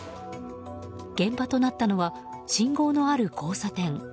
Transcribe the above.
現場となったのは信号のある交差点。